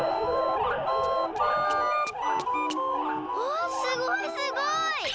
うわすごいすごい！